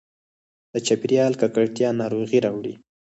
د چاپېریال ککړتیا ناروغي راوړي.